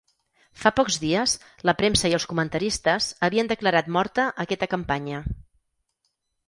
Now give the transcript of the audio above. Fa pocs dies, la premsa i els comentaristes havien declarat morta aquesta campanya.